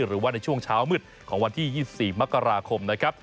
หรือว่าในช่วงเช้ามืดของวันที่๒๔มกราคมนะครับ